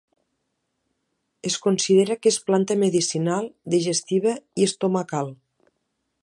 Es considera que és planta medicinal, digestiva i estomacal.